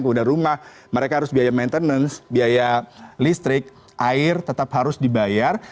kemudian rumah mereka harus biaya maintenance biaya listrik air tetap harus dibayar